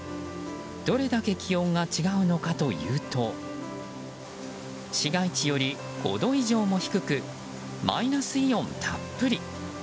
どれだけ気温が違うのかというと市街地より５度以上も低くマイナスイオンたっぷり！